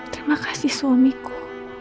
terima kasih suamiku